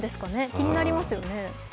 気になりますね。